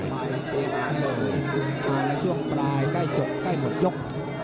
ช่วงปลายใกล้จบใกล้หมดยก